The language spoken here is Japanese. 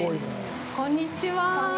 こんにちは。